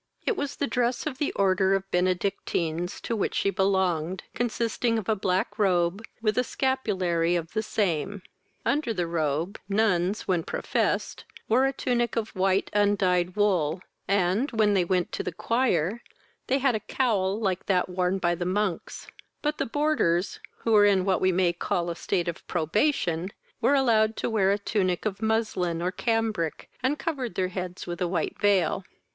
It was the dress of the order of Benedictines, to which she belonged, consisting of a black robe, with a scapulary of the same. Under the robe, nuns, when professed, wore a tunic of white undyed wool, and, when they went to the choir, they had a cowl like that worn by the monks; but the boarders, who were in what we may call a state of probation, were allowed to wear a tunic of muslin or cambrick, and covered their heads with a white veil.